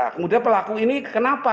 kemudian pelaku ini kenapa